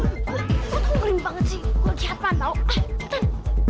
kok kamu kering banget sih gue lagi hat hat tau